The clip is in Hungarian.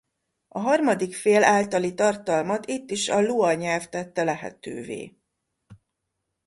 A harmadik fél általi tartalmat itt is a Lua nyelv tette lehetővé.